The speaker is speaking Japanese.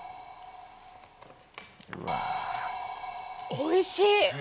おいしい！